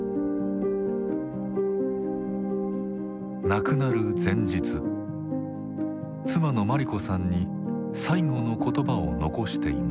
亡くなる前日妻の末利子さんに最期の言葉を残していました。